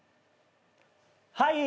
はい。